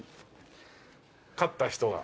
勝った人が。